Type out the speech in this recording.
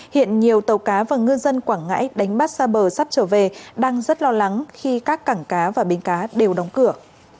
hiện nhiều tàu cá và ngư dân quảng ngãi đánh bắt xa bờ sắp trở về đang rất lo lắng khi các cảng cá và bến cá đều đóng cửa